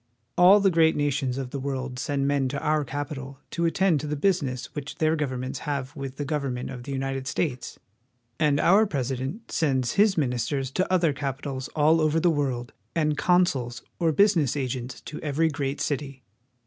All the great nations of the world send men to our capital to attend to the business which their govern ments have with the government of the United States ; and our President sends his ministers to other capitals all over the world, and consuls or business agents to every great city.